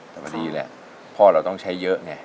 แต่มันดีแหละพ่อเราต้องใช้เยอะไง